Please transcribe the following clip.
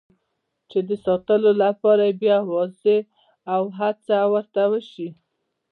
چې د ساتلو لپاره یې بیا وارزي او هڅه ورته وشي.